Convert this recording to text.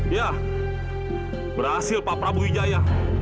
ya berhasil pak prabu wijaya